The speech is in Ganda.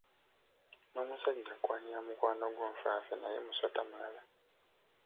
N’omusajja akwanira mukwano gwo nfanfe naye musota mulala.